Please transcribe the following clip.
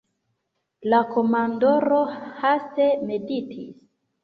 La komandoro haste meditis.